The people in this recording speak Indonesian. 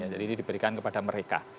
jadi ini diberikan kepada mereka